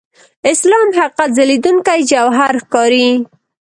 اسلام حقیقت ځلېدونکي جوهر ښکاري.